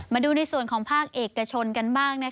มาดูในส่วนของภาคเอกชนกันบ้าง